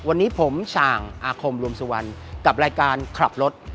วันนี้ผมฉ่างอาคมรวมสุวรรณกับรายการขับรถ